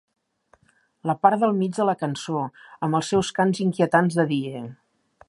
La part del mig de la cançó, amb els seus cants inquietants de Die!